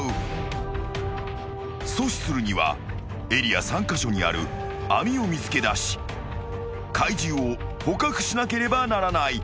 ［阻止するにはエリア３カ所にある網を見つけだし怪獣を捕獲しなければならない］